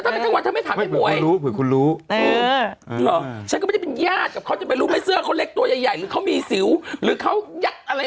ถ้าสมมุติมันอยู่นอกเหนืออันนี้